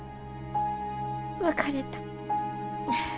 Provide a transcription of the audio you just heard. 別れた。